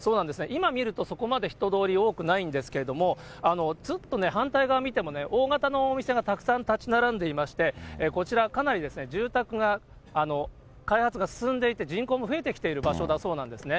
今見るとそこまで人通り多くないんですけれども、ずっと反対側見てもね、大型のお店がたくさん建ち並んでいまして、こちら、かなり住宅が、開発が進んでいて、人口も増えてきている場所だそうなんですね。